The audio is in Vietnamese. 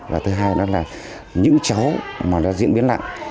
và thứ hai là những cháu mà nó diễn biến lặng